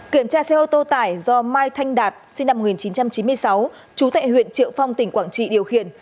kiểm tra xe ô tô tải do mai thanh đạt sinh năm một nghìn chín trăm chín mươi sáu trú tại huyện triệu phong tỉnh quảng trị điều khiển